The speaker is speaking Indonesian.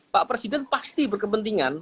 pak presiden pasti berkepentingan